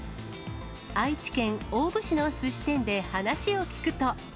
愛知県大府市のすし店で話を聞くと。